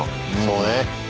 そうね。